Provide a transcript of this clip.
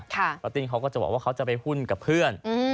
ป้าติ้นเขาก็จะบอกว่าเขาจะไปหุ้นกับเพื่อน